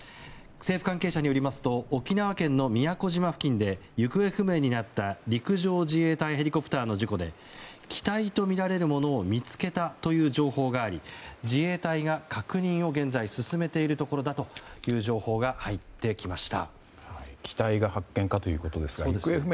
政府関係者によりますと沖縄県の宮古島付近で行方不明になった陸上自衛隊ヘリコプターの事故で機体とみられるものを見つけたという情報があり自衛隊が確認を現在進めているところだという情報が入ってきました。